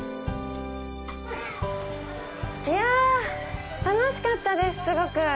いや、楽しかったです、すごく。